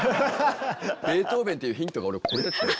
ベートーベンっていうヒントが俺これって。